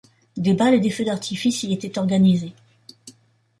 Des bals et des feux d'artifice y étaient organisés.